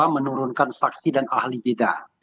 menurunkan saksi dan ahli beda